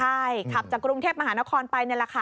ใช่ขับจากกรุงเทพมหานครไปนี่แหละค่ะ